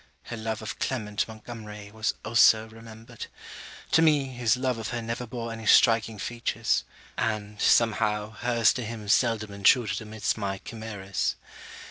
Her love of Clement Montgomery, was also remembered. To me, his love of her never bore any striking features; and, somehow, her's to him seldom intruded amidst my chimeras.